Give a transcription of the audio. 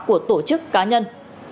của tổ chức cá nhân